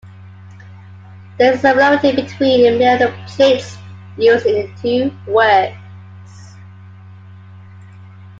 There is a similarity between many of the plates used in the two works.